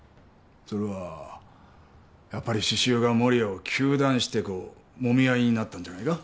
それはやっぱり獅子雄が守谷を糾弾してこうもみ合いになったんじゃないか？